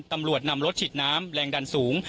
ตำรวจนำรถฉีดน้ำแรงดันสูง